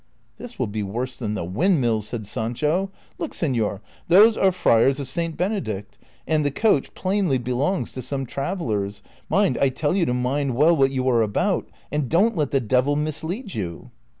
" This will be worse than the windmills," said Sancho. " Look, sefior ; those are friars of St. Benedict, and the coach plainly belongs to some travellf'rs : ndnd, I tell you to mind well what you are about and don't let the devil mislead you."